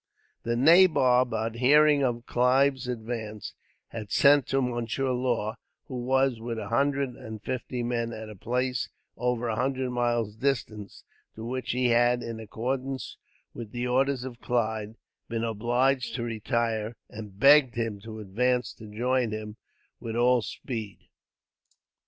The nabob, on hearing of Clive's advance, had sent to Monsieur Law; who was, with a hundred and fifty men, at a place over a hundred miles distant; to which he had, in accordance with the orders of Clive, been obliged to retire; and begged him to advance to join him, with all speed.